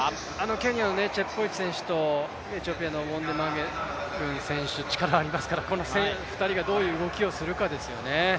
ケニアのチェプコエチ選手とエチオピアのウォンデンマゲグン選手、力がありますからこの２人がどういう動きをするかですよね。